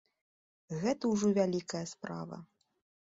Гэта ўжо вялікая справа.